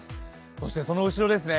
そしてその後ろですね